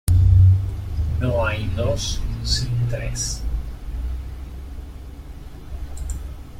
No hay dos sin tres.